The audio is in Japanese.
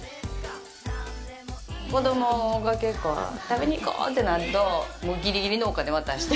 子供が結構、食べに行こうってなるとギリギリのお金渡して。